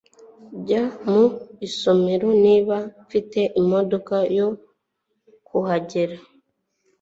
njya mu isomero niba mfite imodoka yo kuhagera